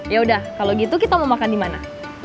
yaudah kalau gitu kita mau makan dimana